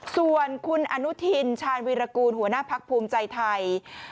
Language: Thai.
ส่วนคุณอนุทินชาญวีรกูลหัวหน้าพักภูมิใจไทย